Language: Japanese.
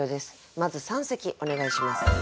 まず三席お願いします。